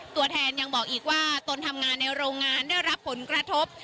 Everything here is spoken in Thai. ตัวแทนยังบอกอีกว่าตนทำงานในโรงงานได้รับผลกระทบ